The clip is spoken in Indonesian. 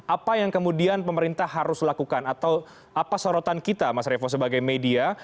apa yang kemudian pemerintah harus lakukan atau apa sorotan kita mas revo sebagai media